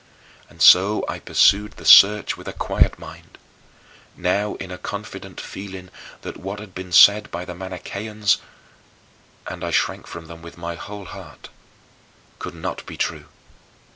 And so I pursued the search with a quiet mind, now in a confident feeling that what had been said by the Manicheans and I shrank from them with my whole heart could not be true.